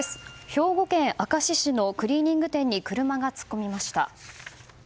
兵庫県明石市のクリーニング店に車が突っ込みました。